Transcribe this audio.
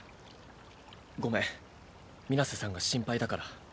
ごめん水瀬さんが心配だから。